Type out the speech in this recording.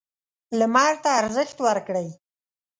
لمر ته ارزښت ورکړئ.